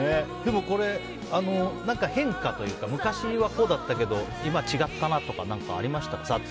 変化というか昔はこうだったけど今は違ったなとかありました？